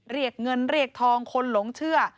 เรียกเงินเรียกทองคนหลงเชื่อ